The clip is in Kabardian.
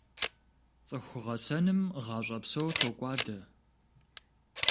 ЦӀыху гъэсэным гъащӀэ псо токӀуадэ.